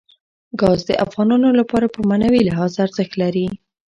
ګاز د افغانانو لپاره په معنوي لحاظ ارزښت لري.